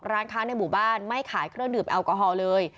ร้านค้าในหมู่บ้านไม่ขายเครื่องดื่มแอลกอฮอล์เลย